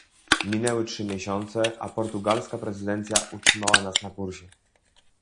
Minęły trzy miesiące, a portugalska prezydencja utrzymała nas na kursie